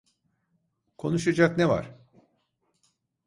Konuşacak ne var?